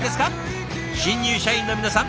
新入社員の皆さん